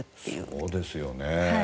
そうですよね。